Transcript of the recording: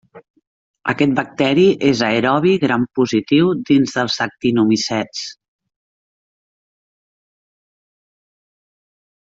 Aquest bacteri és aerobi gram-positiu dins dels actinomicets.